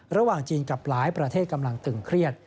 ระหว่างจีนกับหลายประเทศกำลังตึงเครียด